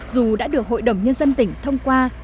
dù đã được hội đồng nhân dân tỉnh thông qua